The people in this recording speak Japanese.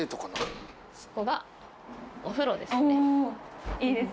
そこがお風呂です。